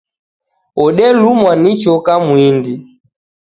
Wodelumwa ni choka mwindi.